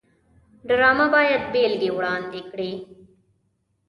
ډرامه باید بېلګې وړاندې کړي